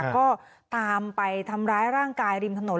ก็ตามไปทำร้ายร่างกายริมถนน